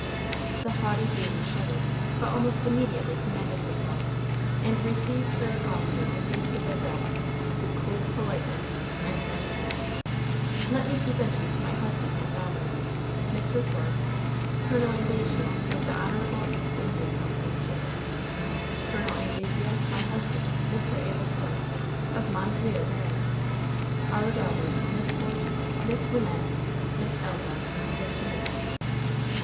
The haughty beauty shuddered, but almost immediately commanded herself and received her accoster's effusive address with cold politeness, and then said: "Let me present you to my husband and daughters. Mr. Force Col. Anglesea, of the Honorable East India Company's Service. Col. Anglesea my husband, Mr. Abel Force, of Mondreer, Maryland. Our daughters, Miss Force, Miss Wynnette, Miss Elva, Miss Meeke."